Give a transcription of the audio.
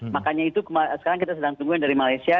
makanya itu sekarang kita sedang tunggu yang dari malaysia